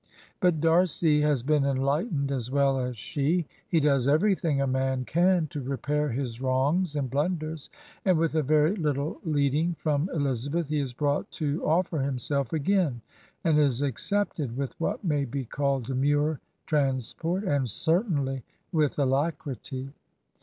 But Darcy has been enlightened as well as she : he does everything a man can to repair his wrongs and blunders, and with a very little leading from Elizabeth, he is brought to offer himself again, and is accepted with what maybe called demure transport, and certainly with alacrity.